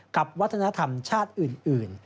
วัฒนธรรมชาติอื่น